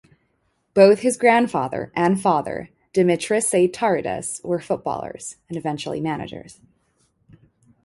Both his grandfather and father, Dimitris Seitaridis, were footballers and eventually managers.